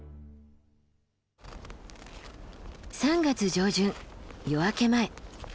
３月上旬夜明け前。